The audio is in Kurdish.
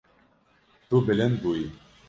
Tu bilind bûyî.